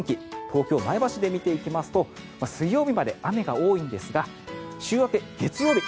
東京、前橋で見ていきますと水曜日まで雨が多いんですが週明け、月曜日